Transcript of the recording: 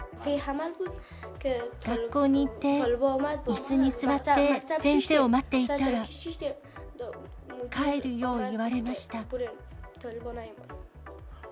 学校に行って、いすに座って先生を待っていたら、帰るよう言われました。